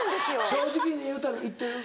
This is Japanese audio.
正直に言うたれ行ってる？